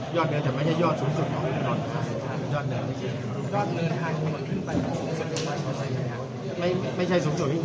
ยอดเภือนแต่ไม่ได้ยอดสูงสุดของพิมพ์สนตรน